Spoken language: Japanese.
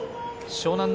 湘南乃